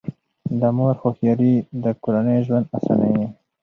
د مور هوښیاري د کورنۍ ژوند اسانوي.